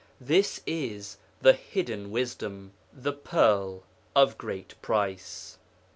This is the hidden wisdom the pearl of great price.